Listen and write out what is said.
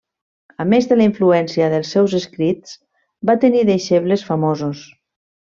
A més de la influència dels seus escrits, va tenir deixebles famosos.